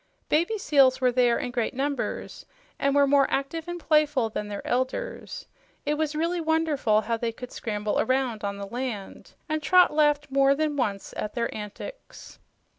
Baby seals were there in great numbers, and were more active and playful than their elders. It was really wonderful how they could scramble around on the land, and Trot laughed more than once at their antics.